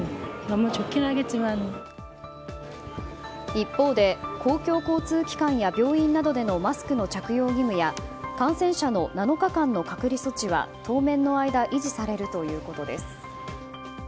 一方で、公共交通機関や病院などでのマスクの着用義務や感染者の７日間の隔離措置は当面の間維持されるということです。